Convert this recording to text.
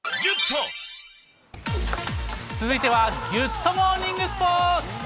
続いては、ギュッとモーニングスポーツ。